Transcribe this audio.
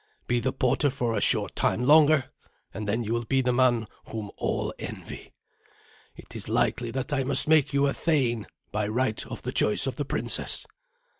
Be the porter for a short time longer, and then you will be the man whom all envy. It is likely that I must make you a thane, by right of the choice of the princess."